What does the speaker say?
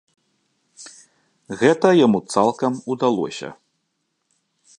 Гэта яму цалкам удалося.